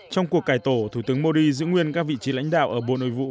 trong cuộc cải tổ thủ tướng modi giữ nguyên các vị trí lãnh đạo ở bộ nội vụ